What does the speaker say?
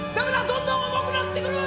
どんどん重くなって来る！